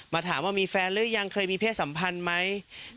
ถามว่ามีแฟนหรือยังเคยมีเพศสัมพันธ์ไหม